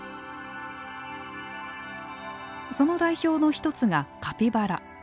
その代表の一つがカピバラ。